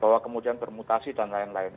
bahwa kemudian bermutasi dan lain lain